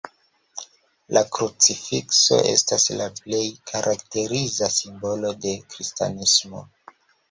La krucifikso estas la plej karakteriza simbolo de kristanismo.